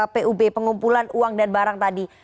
pub pengumpulan uang dan barang tadi